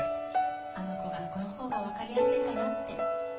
あの子がこの方がわかりやすいかなって